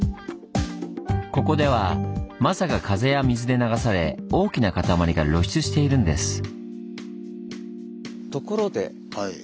ここではマサが風や水で流され大きな塊が露出しているんです。